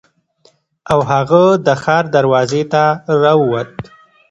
او هغه د ښار دروازې ته راووت.